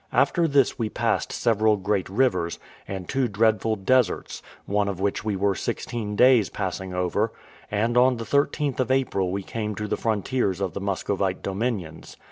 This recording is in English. After this we passed several great rivers, and two dreadful deserts; one of which we were sixteen days passing over; and on the 13th of April we came to the frontiers of the Muscovite dominions.